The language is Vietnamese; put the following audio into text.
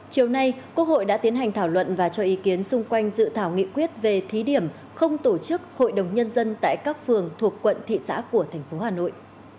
chiều nay quốc hội đã tiến hành thảo luận và cho ý kiến xung quanh dự thảo nghị quyết về thí điểm không tổ chức hội đồng nhân dân tại các phường thuộc quận thị xã của thành phố hà nội